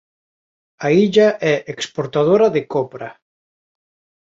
A illa é exportadora de copra.